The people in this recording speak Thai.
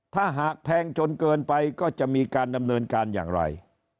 ถ้าหากแพงจนเกินไปก็จะมีการดำเนินการอย่างไร